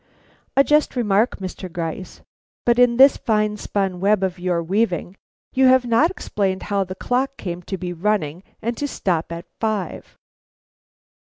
"A just remark, Mr. Gryce, but in this fine spun web of your weaving, you have not explained how the clock came to be running and to stop at five."